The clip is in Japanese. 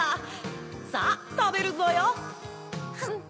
さぁたべるぞよ。